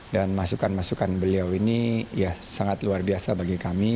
dan masukan masukan beliau ini ya sangat luar biasa bagi kami